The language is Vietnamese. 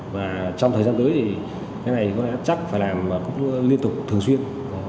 và trong thời gian tới thì cái này có lẽ chắc phải làm liên tục thường xuyên